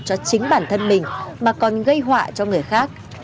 cho chính bản thân mình mà còn gây họa cho người khác